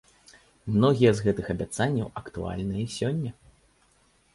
Многія з гэтых абяцанняў актуальныя і сёння.